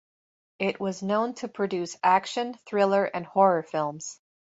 It was known to produce action, thriller and horror films.